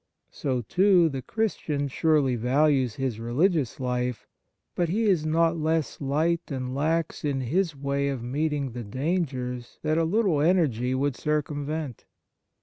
So, too, the Christian surely values his religious life ; but he is not less light and lax in his way of meeting the dangers that a little energy would circumvent.